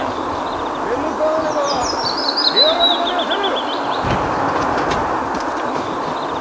手向かわねば手荒なまねはせぬ。